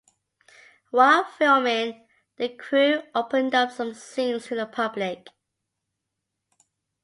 While filming, the crew opened up some scenes to the public.